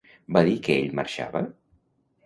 Va dir que ell marxava?